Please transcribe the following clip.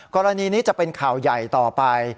กรณีนี้จะเป็นข่าวใหญ่ต่อไป